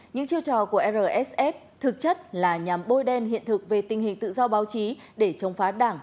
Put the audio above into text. những chiêu trò của rsf thực chất là nhằm bôi đen hiện thực về tình hình tự do báo chí để chống phá đảng